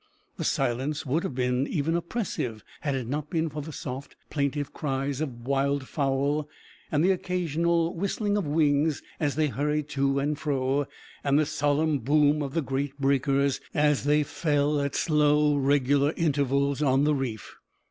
The silence would have been even oppressive had it not been for the soft, plaintive cries of wildfowl and the occasional whistling of wings as they hurried to and fro, and the solemn boom of the great breakers as they fell at slow regular intervals on the reef.